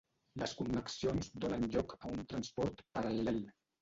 Les connexions donen lloc a un transport paral·lel.